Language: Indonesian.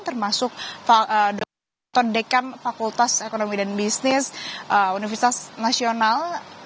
termasuk dr dekam fakultas ekonomi dan bisnis universitas nasional